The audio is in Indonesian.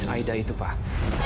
aida itu pak